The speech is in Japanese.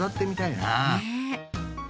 ねえ。